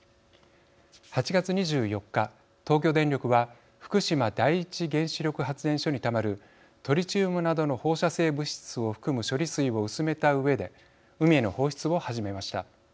８月２４日東京電力は福島第一原子力発電所にたまるトリチウムなどの放射性物質を含む処理水を薄めたうえで海への放出を始めました。